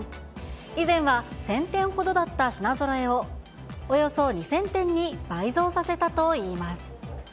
以前は１０００点ほどだった品ぞろえを、およそ２０００点に倍増させたといいます。